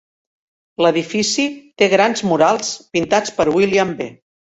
L'edifici té grans murals pintats per William B.